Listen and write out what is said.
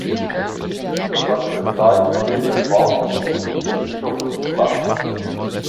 In der Sakristei steht ein schwarzes Bildnis des Bischofs Nikolaus.